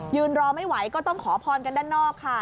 รอไม่ไหวก็ต้องขอพรกันด้านนอกค่ะ